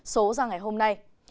số ra ngày hôm nay